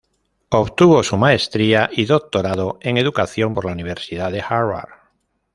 Obtuvo su maestría y doctorado en educación, por la Universidad de Harvard.